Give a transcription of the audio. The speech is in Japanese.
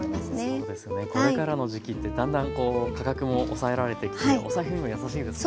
そうですねこれからの時期ってだんだん価格も抑えられてきてお財布にもやさしいですよね。